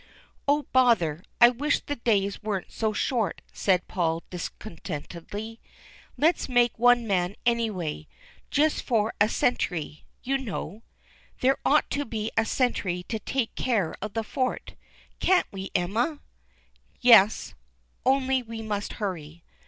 " Oh, bother ! I wish the days weren't so short," said Paul discontentedly. " Let's make one man any way. Just for a sentry, you know. There ought to be a sentry to take care of the fort. Can't we, Elma ?"" Yes — only we must hurry."